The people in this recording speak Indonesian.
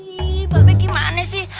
ihh mbak be gimana sih